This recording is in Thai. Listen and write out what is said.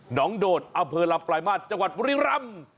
หนองโดนอาเภอร์รัมปลายมาตรจังหวัดบุรีรำ